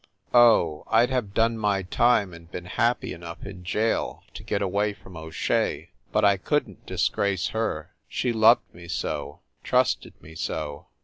Oh, I d have done my time and been happy enough in jail to get away from O Shea, but I couldn t disgrace her; she loved me so trusted me so.